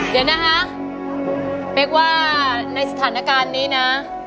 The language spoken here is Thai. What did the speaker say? เดี๋ยวนะคะเป๊กว่าในสถานการณ์นี้นะ